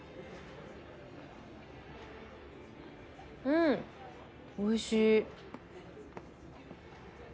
うんおいしい。